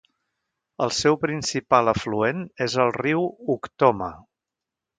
El seu principal afluent és el riu Ukhtoma.